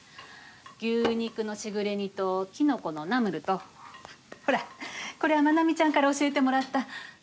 牛肉のしぐれ煮ときのこのナムルとほらこれは真奈美ちゃんから教えてもらった。